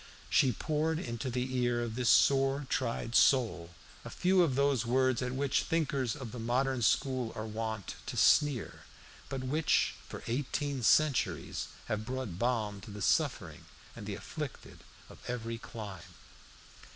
She poured into the ear of this sore tried soul a few of those words at which thinkers of the modern school are wont to sneer, but which for eighteen centuries have brought balm to the suffering and the afflicted of every clime.